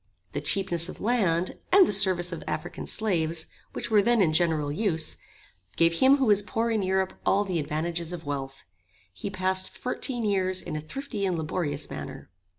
The cheapness of land, and the service of African slaves, which were then in general use, gave him who was poor in Europe all the advantages of wealth. He passed fourteen years in a thrifty and laborious manner.